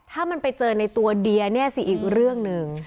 ถ้ามันไปเจอในตัวเดียเนี่ยสิอีกเรื่องหนึ่ง